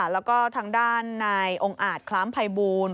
แล้วก็ทางด้านนายองค์อาจคล้ามภัยบูล